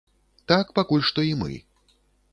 Так пакуль што і мы.